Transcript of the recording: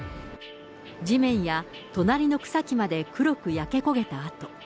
地面や隣の草木まで黒く焼け焦げた跡。